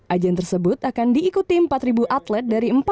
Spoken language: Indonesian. ajan tersebut akan diikuti empat atlet dari